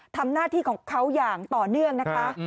ทำหน้าที่ของเขาอย่างต่อเนื่องนะคะ